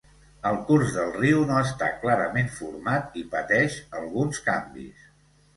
El curs del riu no està clarament format i pateix alguns canvis.